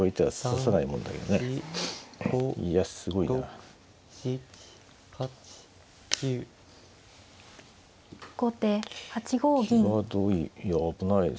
際どいいや危ないです。